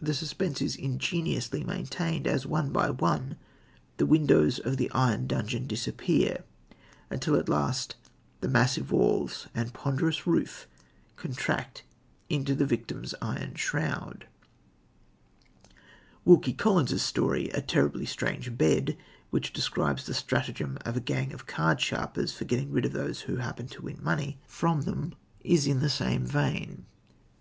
The suspense is ingeniously maintained as, one by one, the windows of the iron dungeon disappear, until, at last, the massive walls and ponderous roof contract into the victim's iron shroud. Wilkie Collins' story, A Terribly Strange Bed, which describes the stratagem of a gang of cardsharpers for getting rid of those who happen to win money from them, is in the same vein.